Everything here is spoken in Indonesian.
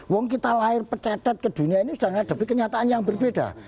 wong kita lahir pecedat ke dunia ini sudah menghadapi kenyataan yang berbeda